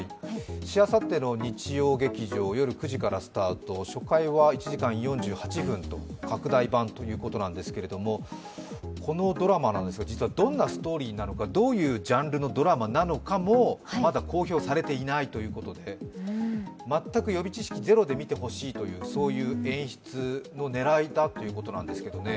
しあさっての日曜劇場夜９時からスタート、初回は１時間４８分と拡大版ということなんですけれども、このドラマですが、どんなストーリーなのか、どういうジャンルのドラマなのかも、まだ公表されていないということで全く予備知識ゼロで見てほしいという、そういう演出の狙いだということなんですけどね。